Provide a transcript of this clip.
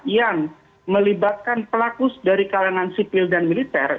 yang melibatkan pelaku dari kalangan sipil dan militer